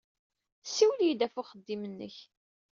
Ssiwel-iyi-d ɣef uxeddim-nnek.